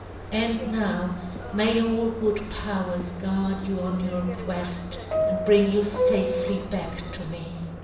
And now, may all good powers guard you on your quest and bring you safely back to me.